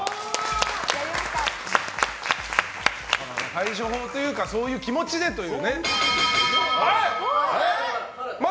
対処法というかそういう気持ちでという。